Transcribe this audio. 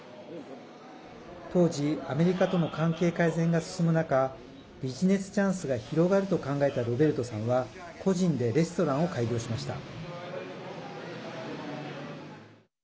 当時、アメリカとの関係改善が進む中ビジネスチャンスが広がると考えたロベルトさんは個人でレストランを開業しました。